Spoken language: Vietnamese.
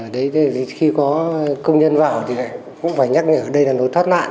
đấy khi có công nhân vào thì cũng phải nhắc nhở đây là lối thoát nạn